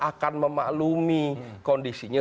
akan memaklumi kondisinya